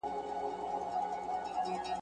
چي تعویذ به مي مضمون د هر غزل وو `